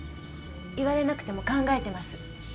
言われなくても考えてます。